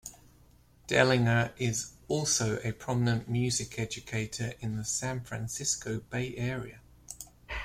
Dehlinger is also a prominent music educator in the San Francisco Bay Area.